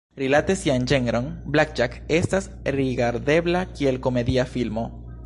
Rilate sian ĝenron, "Black Jack" estas rigardebla kiel komedia filmo.